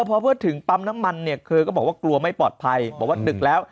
พอเพื่อถึงปั๊มน้ำมันเนี่ยเธอก็บอกว่ากลัวไม่ปลอดภัยบอกว่าดึกแล้ว